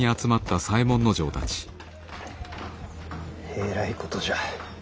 えらいことじゃ。